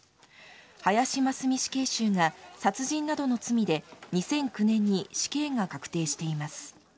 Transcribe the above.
林真須美死刑囚が、殺人などの罪で２００９年に死刑が確定しています。